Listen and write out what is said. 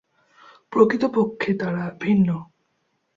প্রকৃতপক্ষে তারা ভিন্ন।